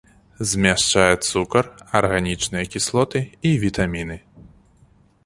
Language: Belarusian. Змяшчае цукар, арганічныя кіслоты і вітаміны.